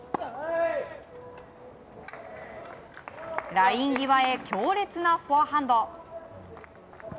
ライン際へ強烈なフォアハンド。